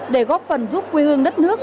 để góp phần giúp quê hương đất nước